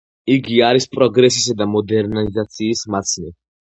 ის არის პროგრესისა და მოდერნიზაციის მაცნე.